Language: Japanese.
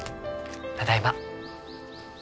ただいま。